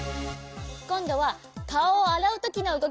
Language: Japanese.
こんどはかおをあらうときのうごきをやってみよう。